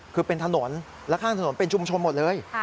คือเป็นถนนและข้างถนนเป็นชุมชนหมดเลย